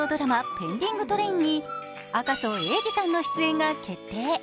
「ペンディングトレイン」に赤楚衛二さんの出演が決定。